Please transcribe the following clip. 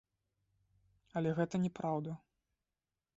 Але гэта не праўда.